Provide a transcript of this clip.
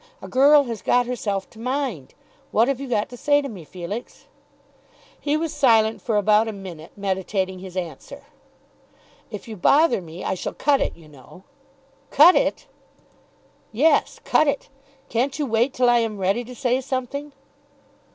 A girl has got herself to mind. What have you got to say to me, Felix?" He was silent for about a minute, meditating his answer. "If you bother me I shall cut it, you know." "Cut it!" "Yes; cut it. Can't you wait till I am ready to say something?"